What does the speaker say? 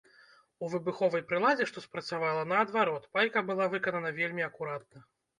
У выбуховай прыладзе, што спрацавала, наадварот, пайка была выканана вельмі акуратна.